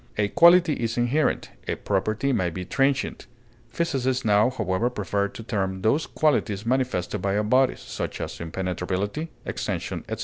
A quality is inherent; a property may be transient; physicists now, however, prefer to term those qualities manifested by all bodies (such as impenetrability, extension, etc.)